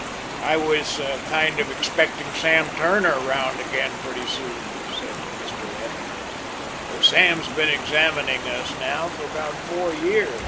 "I was kind of expecting Sam Turner round again, pretty soon," said Mr. Edlinger. "Sam's been examining us now, for about four years.